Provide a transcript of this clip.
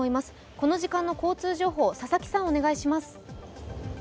この時間の交通機関、佐々木さん、お願いします